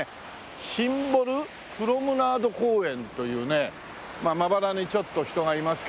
シンボルプロムナード公園というねまあまばらにちょっと人がいますけども。